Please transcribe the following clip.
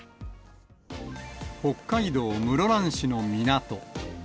北海道室蘭市の港。